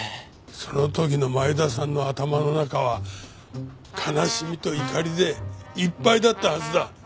その時の前田さんの頭の中は悲しみと怒りでいっぱいだったはずだ。